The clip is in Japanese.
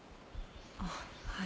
あっはい。